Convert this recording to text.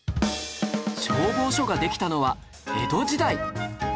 消防署ができたのは江戸時代